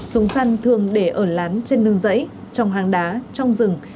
súng săn thường để ở lán trên nương dãy trong hàng đá trong rừng